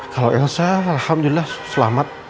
kalau elsa alhamdulillah selamat